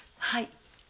はい。